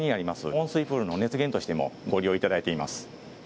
温水プールの熱源としてもご利用いただいています。